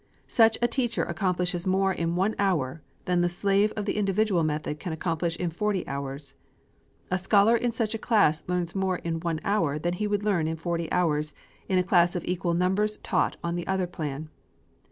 Such a teacher accomplishes more in one hour than the slave of the individual method can accomplish in forty hours. A scholar in such a class learns more in one hour than he would learn in forty hours, in a class of equal numbers taught on the other plan.